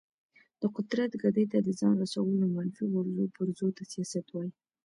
د قدرت ګدۍ ته د ځان رسولو منفي غورځو پرځو ته سیاست وایي.